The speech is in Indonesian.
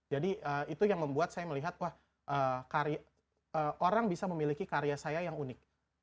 jadi itu yang membuat saya melihat wah orang bisa memiliki karya saya yang unik